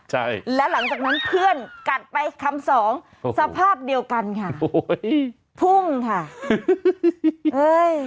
ใช่แล้วหลังจากนั้นเพื่อนกัดไปคำสองสภาพเดียวกันค่ะโอ้ยพุ่งค่ะเอ้ย